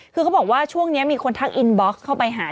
คือเขาบอกว่าช่วงนี้มีคนทักอินบ็อกซ์เข้าไปหา